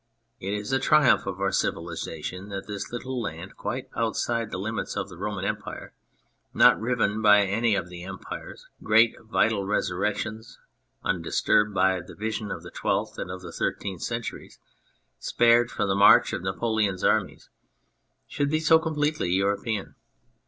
It is a triumph of our civilisation that this little land, quite outside the limits of the Roman Empire, not riven by any of the Empires' great vital resurrections, undisturbed by the vision of the Twelfth and of the Thirteenth Centuries, spared from the march of Napoleon's armies, should be so completely European.